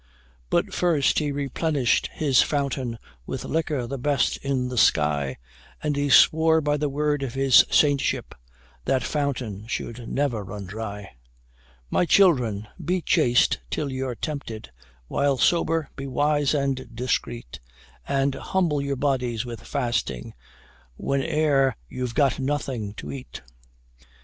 But first he replenished his fountain With liquor the best in the sky: And he swore by the word of his saintship That fountain should never run dry. My children, be chaste till you're tempted While sober, be wise and discreet And humble your bodies with fasting, Whene'er you've got nothing to eat.